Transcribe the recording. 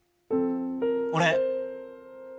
俺。